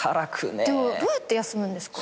でもどうやって休むんですか？